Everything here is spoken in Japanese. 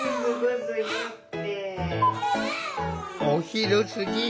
お昼すぎ